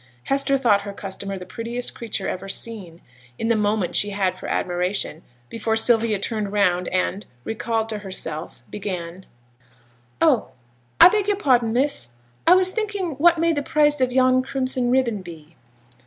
Hester thought her customer the prettiest creature ever seen, in the moment she had for admiration before Sylvia turned round and, recalled to herself, began, 'Oh, I beg your pardon, miss; I was thinking what may the price of yon crimson ribbon be?'